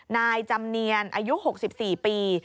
นายจำเนียนอายุ๖๔ปี